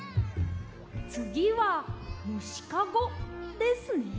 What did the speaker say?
つぎはむしかごですね。